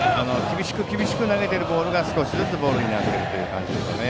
厳しく投げているボールが少しずつボールになっている感じですね。